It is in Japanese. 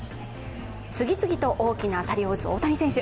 次々と大きな当たりを打つ大谷選手。